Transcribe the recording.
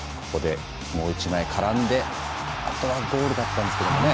もう１枚絡んで、本当はゴールだったんですけどね。